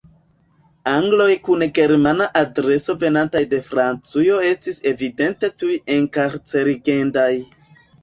Angloj kun Germana adreso venantaj de Francujo estis evidente tuj enkarcerigendaj.